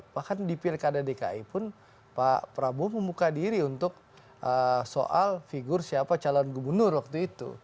bahkan di pilkada dki pun pak prabowo membuka diri untuk soal figur siapa calon gubernur waktu itu